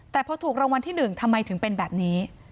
แต่พอถูกรางวัลที่๑ทำไมถึงเป็นแบบนี้